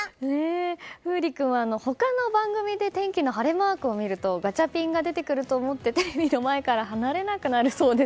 楓琳君は他の番組で天気の晴れマークを見るとガチャピンが出てくると思ってテレビの前から離れなくなるそうです。